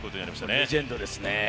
レジェンドですね。